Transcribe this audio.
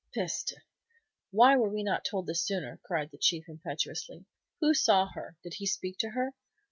"_ Peste!_ Why were we not told this sooner?" cried the Chief, impetuously. "Who saw her? Did he speak to her?